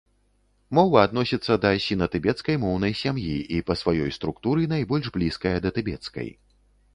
Мова адносіцца да сіна-тыбецкай моўнай сям'і і па сваёй структуры найбольш блізкая да тыбецкай.